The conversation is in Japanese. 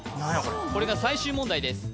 これが最終問題です